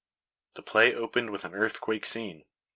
The play opened with an earthquake scene.